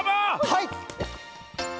はい！